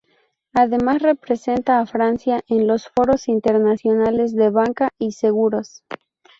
Además, representa a Francia en los foros internacionales de banca y seguros.